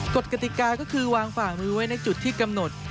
กติกาก็คือวางฝ่ามือไว้ในจุดที่กำหนด